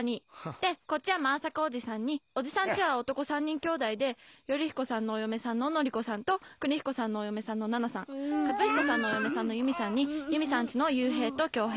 でこっちは万作おじさんにおじさん家は男３人兄弟で頼彦さんのお嫁さんの典子さんと邦彦さんのお嫁さんの奈々さん克彦さんのお嫁さんの由美さんに由美さん家の祐平と恭平。